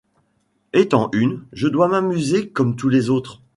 Étant une, je dois m’amuser comme tous les autres.